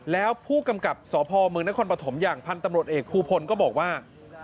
แล้วผู้กำกับสพเมืองนครปฐมอย่างพันธุ์ตำรวจเอกภูพลก็บอกว่า